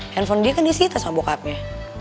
handphone dia kan isi tas sama bokapnya